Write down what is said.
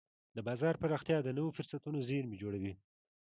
د بازار پراختیا د نوو فرصتونو زېرمې جوړوي.